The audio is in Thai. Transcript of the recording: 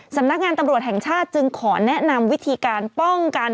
สำนักงานตำรวจแห่งชาติจึงขอแนะนำวิธีการป้องกัน